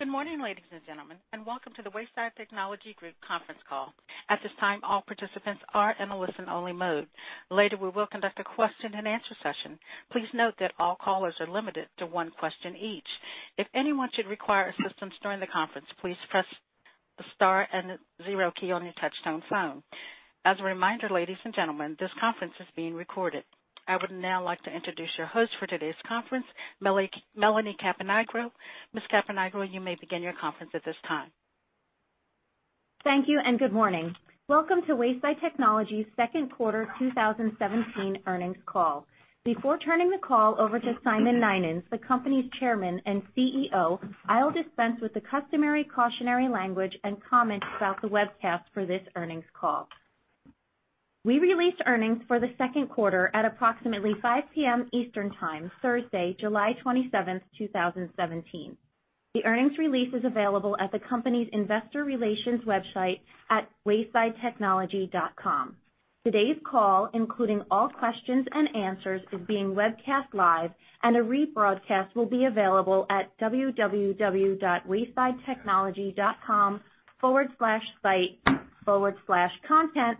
Good morning, ladies and gentlemen, and welcome to the Wayside Technology Group conference call. At this time, all participants are in a listen-only mode. Later, we will conduct a question and answer session. Please note that all callers are limited to one question each. If anyone should require assistance during the conference, please press the star and 0 key on your touch-tone phone. As a reminder, ladies and gentlemen, this conference is being recorded. I would now like to introduce your host for today's conference, Melanie Caponigro. Ms. Caponigro, you may begin your conference at this time. Thank you. Good morning. Welcome to Wayside Technology's second quarter 2017 earnings call. Before turning the call over to Simon F. Nynens, the company's Chairman and CEO, I'll dispense with the customary cautionary language and comments about the webcast for this earnings call. We released earnings for the second quarter at approximately 5:00 P.M. Eastern Time, Thursday, July 27, 2017. The earnings release is available at the company's investor relations website at waysidetechnology.com. Today's call, including all questions and answers, is being webcast live, and a rebroadcast will be available at www.waysidetechnology.com/site/content/webcasts.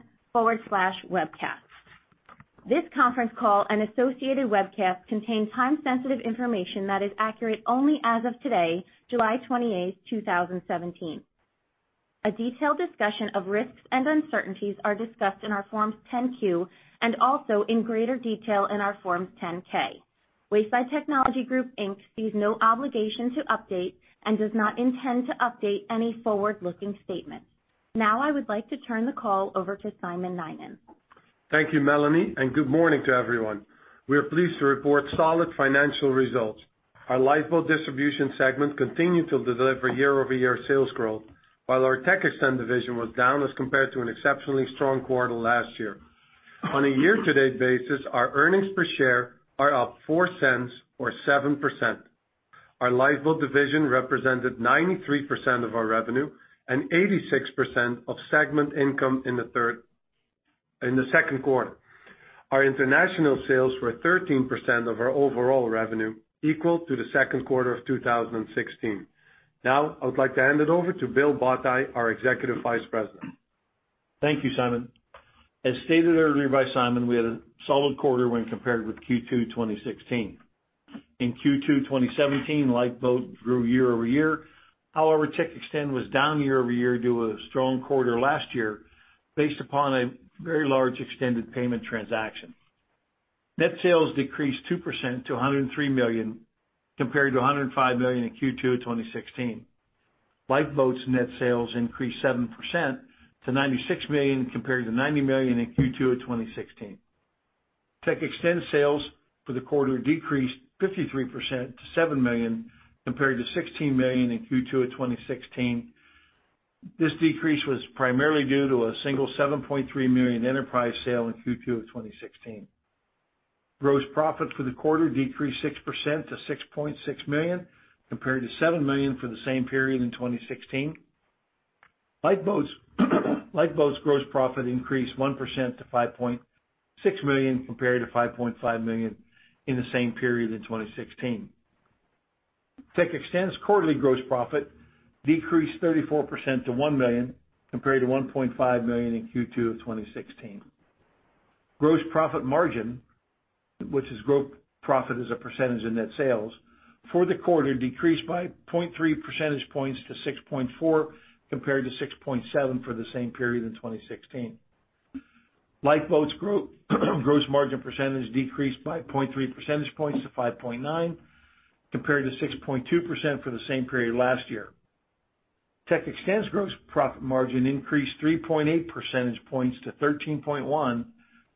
This conference call and associated webcast contain time-sensitive information that is accurate only as of today, July 28, 2017. A detailed discussion of risks and uncertainties are discussed in our Forms 10-Q and also in greater detail in our Forms 10-K. Wayside Technology Group, Inc. sees no obligation to update and does not intend to update any forward-looking statements. I would like to turn the call over to Simon F. Nynens. Thank you, Melanie. Good morning to everyone. We are pleased to report solid financial results. Our Lifeboat Distribution segment continued to deliver year-over-year sales growth, while our TechXtend division was down as compared to an exceptionally strong quarter last year. On a year-to-date basis, our earnings per share are up $0.04 or 7%. Our Lifeboat division represented 93% of our revenue and 86% of segment income in the second quarter. Our international sales were 13% of our overall revenue, equal to the second quarter of 2016. I would like to hand it over to Bill Bottai, our Executive Vice President. Thank you, Simon. As stated earlier by Simon, we had a solid quarter when compared with Q2 2016. In Q2 2017, Lifeboat grew year-over-year. However, TechXtend was down year-over-year due to a strong quarter last year based upon a very large extended payment transaction. Net sales decreased 2% to $103 million, compared to $105 million in Q2 of 2016. Lifeboat's net sales increased 7% to $96 million, compared to $90 million in Q2 of 2016. TechXtend sales for the quarter decreased 53% to $7 million, compared to $16 million in Q2 of 2016. This decrease was primarily due to a single $7.3 million enterprise sale in Q2 of 2016. Gross profit for the quarter decreased 6% to $6.6 million, compared to $7 million for the same period in 2016. Lifeboat's gross profit increased 1% to $5.6 million, compared to $5.5 million in the same period in 2016. TechXtend's quarterly gross profit decreased 34% to $1 million, compared to $1.5 million in Q2 of 2016. Gross profit margin, which is gross profit as a percentage of net sales, for the quarter decreased by 0.3 percentage points to 6.4%, compared to 6.7% for the same period in 2016. Lifeboat's gross margin percentage decreased by 0.3 percentage points to 5.9%, compared to 6.2% for the same period last year. TechXtend's gross profit margin increased 3.8 percentage points to 13.1%,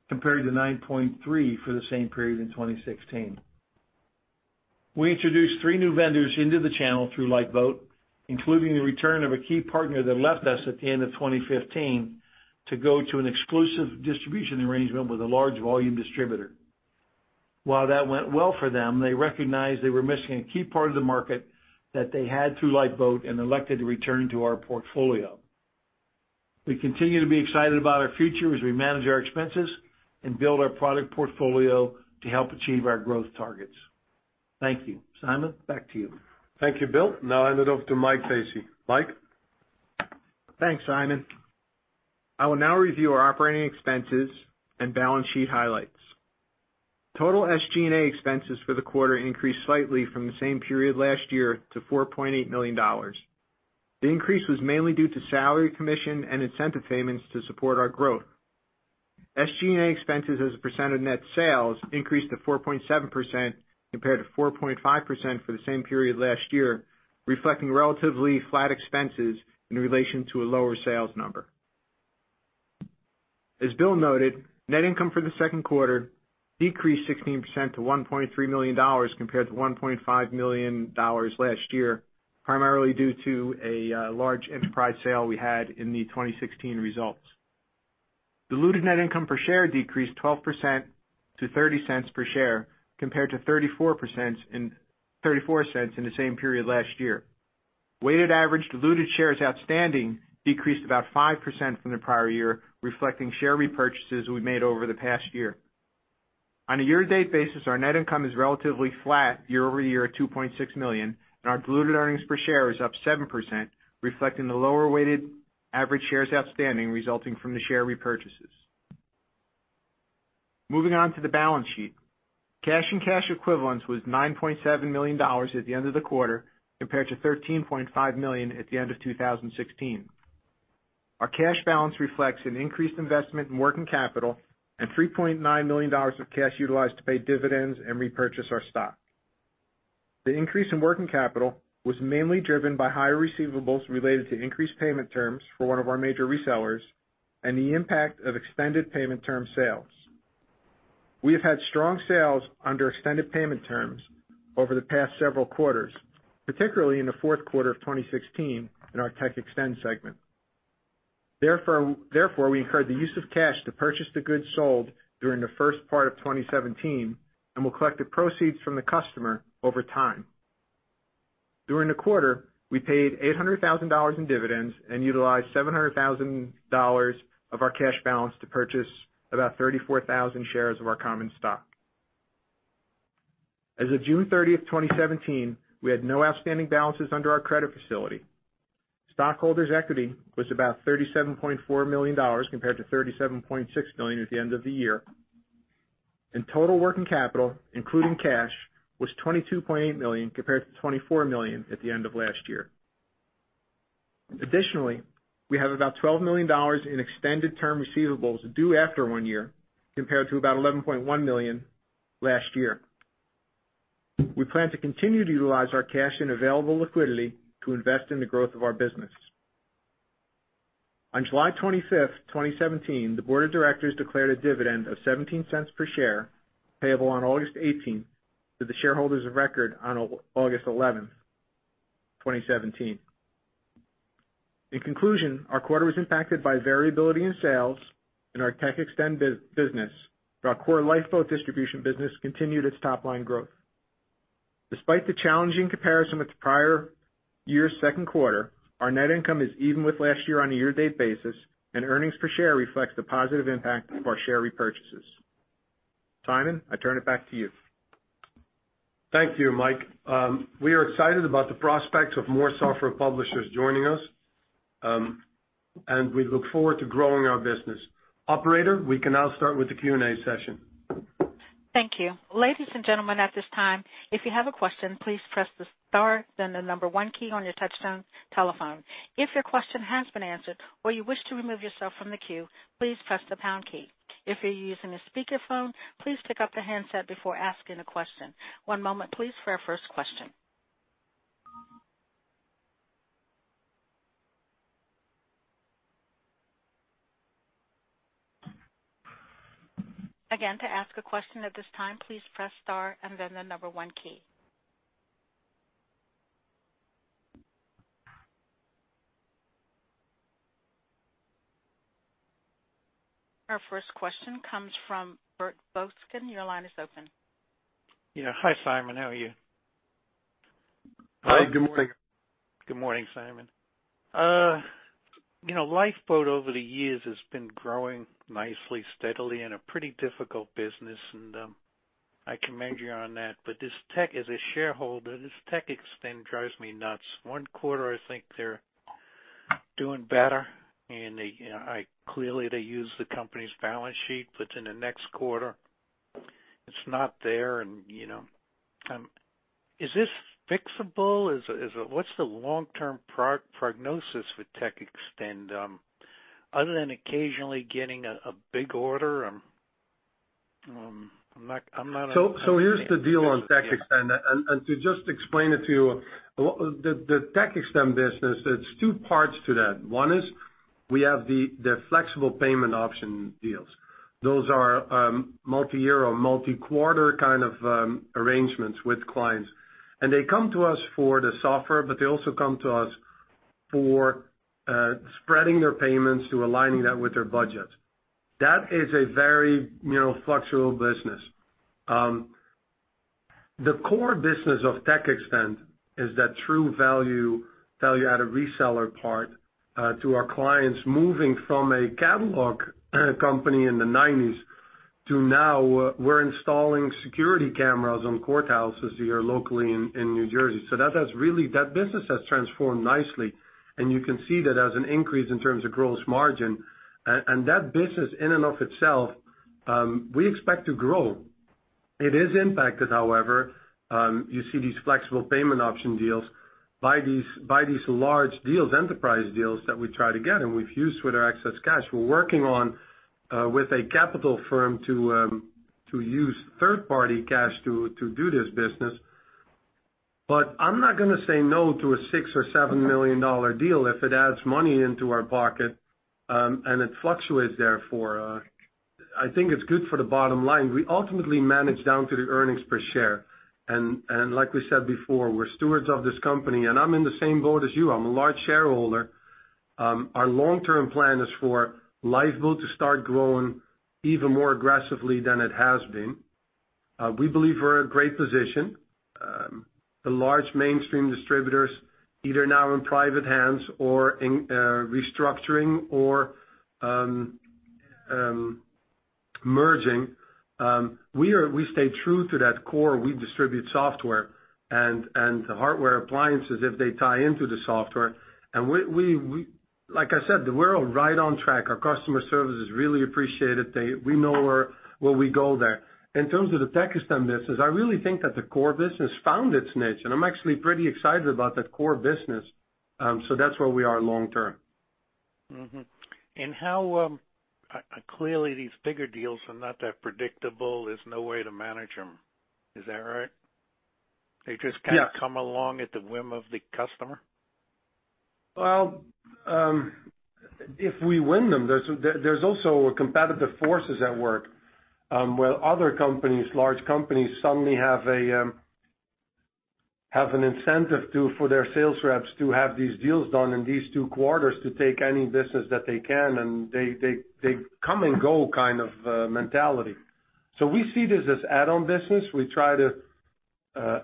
compared to 9.3% for the same period in 2016. We introduced three new vendors into the channel through Lifeboat, including the return of a key partner that left us at the end of 2015 to go to an exclusive distribution arrangement with a large volume distributor. While that went well for them, they recognized they were missing a key part of the market that they had through Lifeboat and elected to return to our portfolio. We continue to be excited about our future as we manage our expenses and build our product portfolio to help achieve our growth targets. Thank you. Simon, back to you. Thank you, Bill. Now I hand it off to Michael Vesey. Mike? Thanks, Simon. I will now review our operating expenses and balance sheet highlights. Total SG&A expenses for the quarter increased slightly from the same period last year to $4.8 million. The increase was mainly due to salary, commission, and incentive payments to support our growth. SG&A expenses as a percent of net sales increased to 4.7% compared to 4.5% for the same period last year, reflecting relatively flat expenses in relation to a lower sales number. As Bill Bottai noted, net income for the second quarter decreased 16% to $1.3 million, compared to $1.5 million last year, primarily due to a large enterprise sale we had in the 2016 results. Diluted net income per share decreased 12% to $0.30 per share, compared to $0.34 in the same period last year. Weighted average diluted shares outstanding decreased about 5% from the prior year, reflecting share repurchases we made over the past year. On a year-to-date basis, our net income is relatively flat year-over-year at $2.6 million, and our diluted earnings per share is up 7%, reflecting the lower weighted average shares outstanding resulting from the share repurchases. Moving on to the balance sheet. Cash and cash equivalents was $9.7 million at the end of the quarter, compared to $13.5 million at the end of 2016. Our cash balance reflects an increased investment in working capital and $3.9 million of cash utilized to pay dividends and repurchase our stock. The increase in working capital was mainly driven by higher receivables related to increased payment terms for one of our major resellers and the impact of extended payment term sales. We have had strong sales under extended payment terms over the past several quarters, particularly in the fourth quarter of 2016 in our TechXtend segment. Therefore, we incurred the use of cash to purchase the goods sold during the first part of 2017 and will collect the proceeds from the customer over time. During the quarter, we paid $800,000 in dividends and utilized $700,000 of our cash balance to purchase about 34,000 shares of our common stock. As of June 30, 2017, we had no outstanding balances under our credit facility. Stockholders' equity was about $37.4 million, compared to $37.6 million at the end of the year. Total working capital, including cash, was $22.8 million, compared to $24 million at the end of last year. Additionally, we have about $12 million in extended term receivables due after one year, compared to about $11.1 million last year. We plan to continue to utilize our cash and available liquidity to invest in the growth of our business. On July 25, 2017, the board of directors declared a dividend of $0.17 per share, payable on August 18 to the shareholders of record on August 11, 2017. In conclusion, our quarter was impacted by variability in sales in our TechXtend business, but our core Lifeboat Distribution business continued its top-line growth. Despite the challenging comparison with the prior year's second quarter, our net income is even with last year on a year-to-date basis, and earnings per share reflects the positive impact of our share repurchases. Simon, I turn it back to you. Thank you, Mike. We are excited about the prospects of more software publishers joining us, and we look forward to growing our business. Operator, we can now start with the Q&A session. Thank you. Ladies and gentlemen, at this time, if you have a question, please press the star then the number one key on your touchtone telephone. If your question has been answered or you wish to remove yourself from the queue, please press the pound key. If you're using a speakerphone, please pick up the handset before asking a question. One moment please for our first question. Again, to ask a question at this time, please press star and then the number one key. Our first question comes from Bert Hochfeld. Your line is open. Yeah. Hi, Simon. How are you? Hi, good morning. Good morning, Simon. Lifeboat over the years has been growing nicely, steadily, in a pretty difficult business, and I commend you on that. As a shareholder, this TechXtend drives me nuts. One quarter, I think they're doing better, and clearly, they use the company's balance sheet, but in the next quarter, it's not there. Is this fixable? What's the long-term prognosis with TechXtend, other than occasionally getting a big order? Here's the deal on TechXtend. To just explain it to you, the TechXtend business, there's two parts to that. One is we have the flexible payment option deals. Those are multi-year or multi-quarter kind of arrangements with clients. They come to us for the software, but they also come to us for spreading their payments to aligning that with their budget. That is a very fluctuating business. The core business of TechXtend is that true value add reseller part to our clients moving from a catalog company in the '90s to now, we're installing security cameras on courthouses here locally in New Jersey. That business has transformed nicely, and you can see that as an increase in terms of gross margin. That business in and of itself, we expect to grow. It is impacted, however, you see these flexible payment option deals by these large deals, enterprise deals, that we try to get, and we've used with our excess cash. We're working on with a capital firm to use third-party cash to do this business. I'm not gonna say no to a $6 million or $7 million deal if it adds money into our pocket and it fluctuates therefore. I think it's good for the bottom line. We ultimately manage down to the earnings per share. Like we said before, we're stewards of this company, and I'm in the same boat as you. I'm a large shareholder. Our long-term plan is for Lifeboat to start growing even more aggressively than it has been. We believe we're in a great position. The large mainstream distributors, either now in private hands or in restructuring or merging. We stay true to that core. We distribute software and the hardware appliances if they tie into the software. Like I said, we're right on track. Our customer service is really appreciated. We know where we go there. In terms of the [Pakistan business], I really think that the core business found its niche, and I'm actually pretty excited about that core business. That's where we are long term. Mm-hmm. Clearly, these bigger deals are not that predictable. There's no way to manage them. Is that right? Yeah. They just kind of come along at the whim of the customer? Well, if we win them. There's also competitive forces at work, where other companies, large companies, suddenly have an incentive for their sales reps to have these deals done in these two quarters to take any business that they can. They come and go kind of mentality. We see this as add-on business. We try to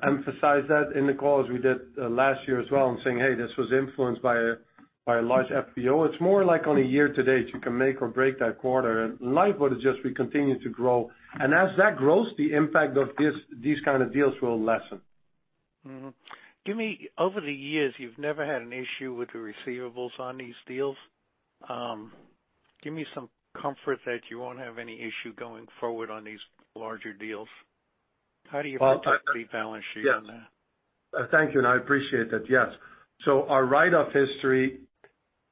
emphasize that in the call, as we did last year as well, and saying, "Hey, this was influenced by a large FPO." It's more like on a year to date, you can make or break that quarter. Lifeboat is just, we continue to grow. As that grows, the impact of these kind of deals will lessen. Mm-hmm. Over the years, you've never had an issue with the receivables on these deals. Give me some comfort that you won't have any issue going forward on these larger deals. How do you protect the balance sheet on that? Thank you, and I appreciate that. Yes. Our write-off history-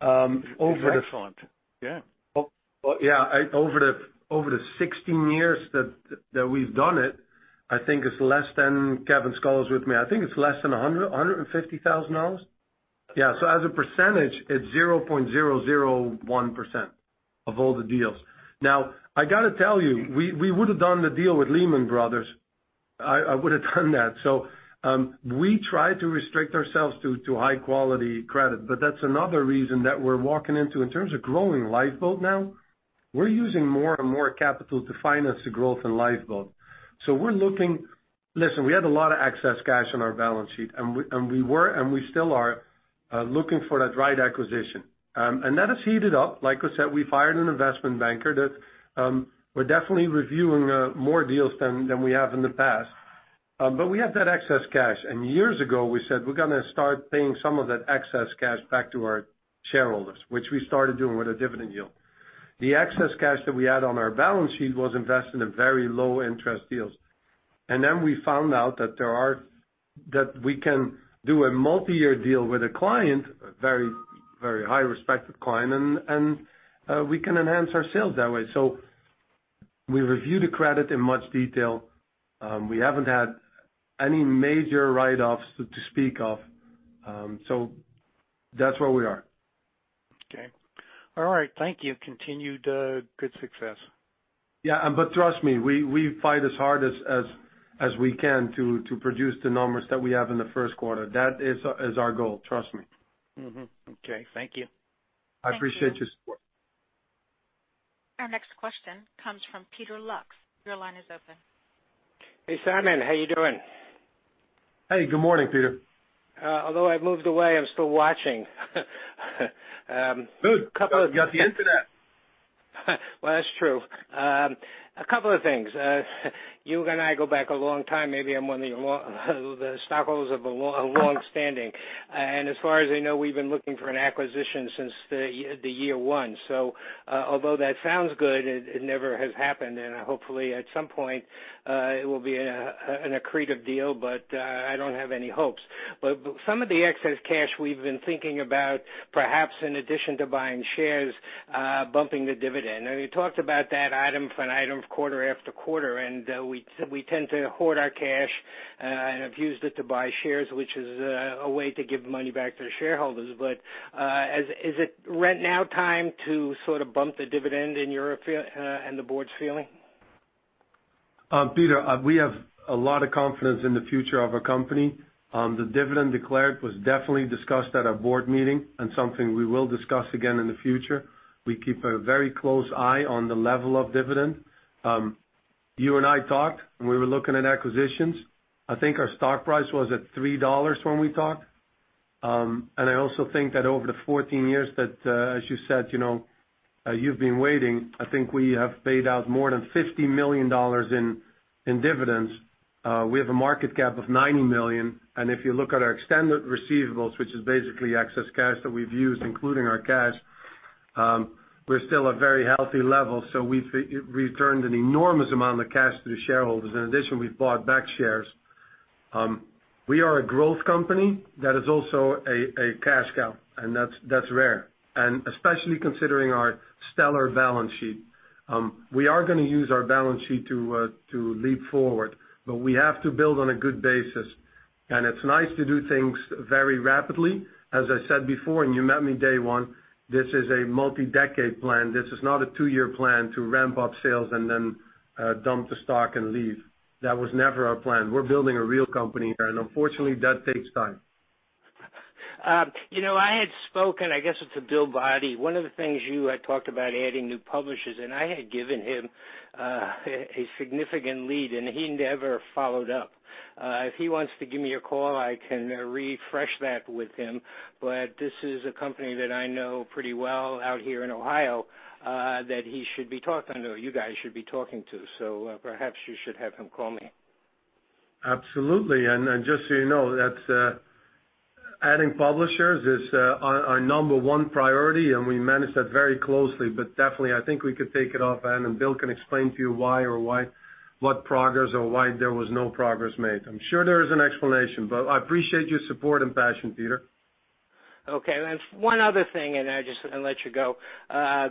Is excellent, yeah. Yeah. Over the 16 years that we've done it, Kevin Scull is with me, I think it's less than $150,000. Yeah. As a percentage, it's 0.001% of all the deals. Now, I got to tell you, we would've done the deal with Lehman Brothers. I would've done that. We try to restrict ourselves to high-quality credit. That's another reason that we're walking into, in terms of growing Lifeboat now, we're using more and more capital to finance the growth in Lifeboat. Listen, we had a lot of excess cash on our balance sheet, and we were and we still are looking for that right acquisition. That has heated up. Like I said, we've hired an investment banker that we're definitely reviewing more deals than we have in the past. We have that excess cash. Years ago, we said, we're going to start paying some of that excess cash back to our shareholders, which we started doing with a dividend yield. The excess cash that we had on our balance sheet was invested in very low-interest deals. Then we found out that we can do a multi-year deal with a client, a very high respected client, and we can enhance our sales that way. We review the credit in much detail. We haven't had any major write-offs to speak of. That's where we are. Okay. All right. Thank you. Continued good success. Trust me, we fight as hard as we can to produce the numbers that we have in the first quarter. That is our goal. Trust me. Okay. Thank you. I appreciate your support. Our next question comes from Peter Lux. Your line is open. Hey, Simon. How are you doing? Hey, good morning, Peter. Although I've moved away, I'm still watching. Good. You got the internet. Well, that's true. A couple of things. You and I go back a long time. Maybe I'm one of the stockholders of a long standing. As far as I know, we've been looking for an acquisition since the year one. Although that sounds good, it never has happened. Hopefully, at some point, it will be an accretive deal, but I don't have any hopes. Some of the excess cash we've been thinking about, perhaps in addition to buying shares, bumping the dividend. We talked about that item for an item quarter after quarter, and we tend to hoard our cash, and have used it to buy shares, which is a way to give money back to the shareholders. Is it now time to sort of bump the dividend in your and the board's feeling? Peter, we have a lot of confidence in the future of our company. The dividend declared was definitely discussed at our board meeting and something we will discuss again in the future. We keep a very close eye on the level of dividend. You and I talked, we were looking at acquisitions. I think our stock price was at $3 when we talked. I also think that over the 14 years that, as you said, you've been waiting. I think we have paid out more than $50 million in dividends. We have a market cap of $90 million. If you look at our extended receivables, which is basically excess cash that we've used, including our cash, we're still at very healthy levels. We've returned an enormous amount of cash to the shareholders. In addition, we've bought back shares. We are a growth company that is also a cash cow, that's rare. Especially considering our stellar balance sheet. We are going to use our balance sheet to leap forward, we have to build on a good basis. It's nice to do things very rapidly. As I said before, and you met me day one, this is a multi-decade plan. This is not a two-year plan to ramp up sales and then dump the stock and leave. That was never our plan. We're building a real company here, unfortunately, that takes time. I had spoken, I guess it's to Bill Bottai. One of the things you had talked about adding new publishers, I had given him a significant lead and he never followed up. If he wants to give me a call, I can refresh that with him. This is a company that I know pretty well out here in Ohio, that he should be talking to, you guys should be talking to. Perhaps you should have him call me. Absolutely. Just so you know, adding publishers is our number one priority, and we manage that very closely. Definitely I think we could take it off, Bill can explain to you why or what progress or why there was no progress made. I'm sure there is an explanation, I appreciate your support and passion, Peter. Okay. One other thing, I'll let you go.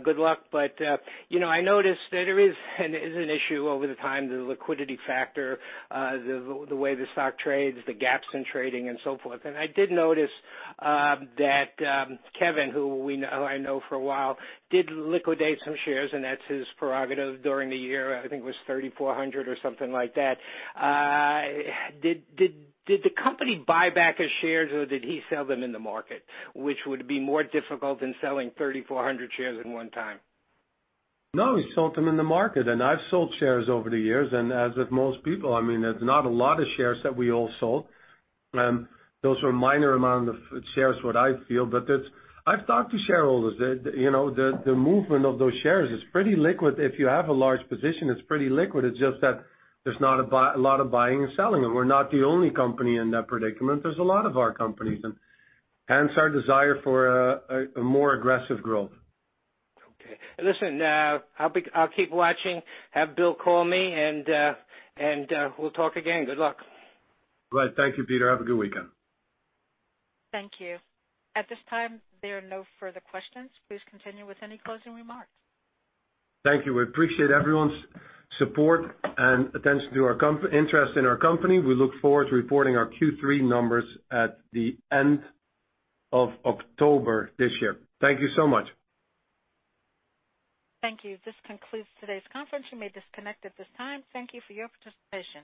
Good luck. I noticed that there is an issue over the time, the liquidity factor, the way the stock trades, the gaps in trading and so forth. I did notice that Kevin, who I know for a while, did liquidate some shares, and that's his prerogative during the year. I think it was 3,400 or something like that. Did the company buy back his shares or did he sell them in the market, which would be more difficult than selling 3,400 shares at one time? No, he sold them in the market, I've sold shares over the years, as with most people, there's not a lot of shares that we all sold. Those were minor amount of shares from what I feel. I've talked to shareholders. The movement of those shares is pretty liquid. If you have a large position, it's pretty liquid. It's just that there's not a lot of buying and selling, we're not the only company in that predicament. There's a lot of our companies, hence our desire for a more aggressive growth. Okay. Listen, I'll keep watching, have Bill call me, and we'll talk again. Good luck. Great. Thank you, Peter. Have a good weekend. Thank you. At this time, there are no further questions. Please continue with any closing remarks. Thank you. We appreciate everyone's support and attention to our interest in our company. We look forward to reporting our Q3 numbers at the end of October this year. Thank you so much. Thank you. This concludes today's conference. You may disconnect at this time. Thank you for your participation.